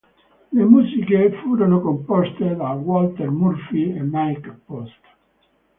Le musiche furono composte da Walter Murphy e Mike Post.